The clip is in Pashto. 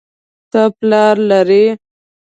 ته پلار لرې